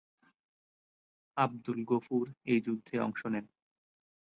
আবদুল গফুর এই যুদ্ধে অংশ নেন।